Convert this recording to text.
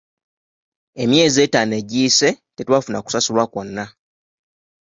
Emyezi etaano egiyise, tetwafuna kusasulwa kwonna.